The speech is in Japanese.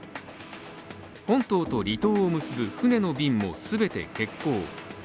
本島と離島を結ぶ船の便も全て欠航。